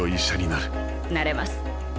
なれます。